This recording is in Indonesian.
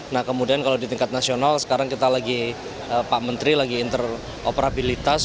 nah kemudian kalau di tingkat nasional sekarang kita lagi pak menteri lagi interoperabilitas